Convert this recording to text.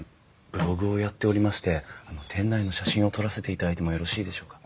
ブログをやっておりまして店内の写真を撮らせていただいてもよろしいでしょうか？